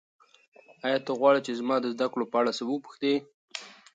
ایا ته غواړې چې زما د زده کړو په اړه څه وپوښتې؟